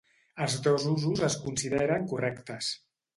Els dos usos es consideren correctes.